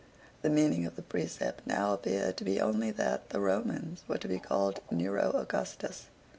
The meaning of the precept now appeared to be only that the Romans were to call Nero Augustus.